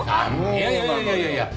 いやいやいやいや！